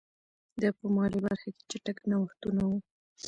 دا په مالي برخه کې چټک نوښتونه وو.